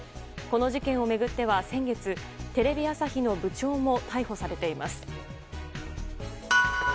この事件を巡っては先月テレビ朝日の部長も逮捕されています。